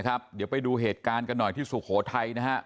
นะครับเดี๋ยวไปดูเหตุการณ์กันหน่อยที่สุโขไทน่ะครับ